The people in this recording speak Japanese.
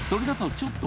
ちょっと